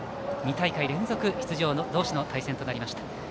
２大会連続出場同士の対戦となりました。